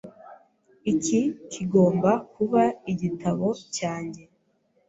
Iki kigomba kuba igitabo cyanjye.